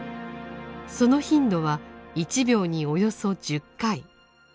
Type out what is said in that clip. その頻度は１秒におよそ１０回。